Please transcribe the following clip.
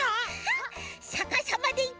さかさまで？